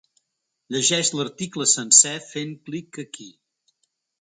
Llegeix l’article sencer fent clic aquí.